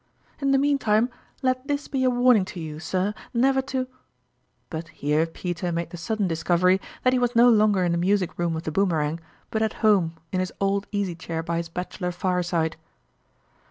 In the mean time, let this be a warning to you, sir, never to "... But here Peter made the sudden discovery that he was no longer in the music room of the Boomerang, but at home in his old easy chair by his bachelor fireside.